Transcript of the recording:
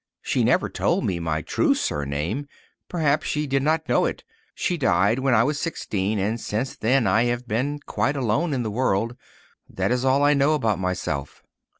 She never told me my true surname, perhaps she did not know it. She died when I was sixteen, and since then I have been quite alone in the world. That is all I know about myself."